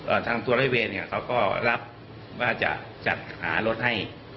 ทางตัวร้อยเวรเนี่ยเขาก็รับว่าจะจัดหารถให้